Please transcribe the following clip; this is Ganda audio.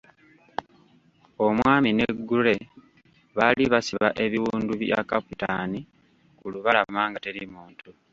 Omwami ne Gray baali basiba ebiwundu bya Kapitaani, ku lubalama nga teri muntu.